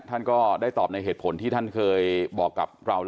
ท่านก็ได้ตอบในเหตุผลที่ท่านเคยบอกกับเรา